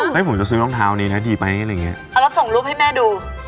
ให้ผมจะซื้อรองเท้านี้นะดีไหมอะไรอย่างเงี้เอาแล้วส่งรูปให้แม่ดู